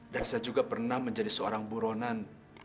dan saya juga pernah menjadi seorang buronan